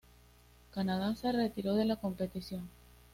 Canadá se retiró de la competición.